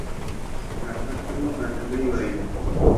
رتګ ته مو هرکلى وايو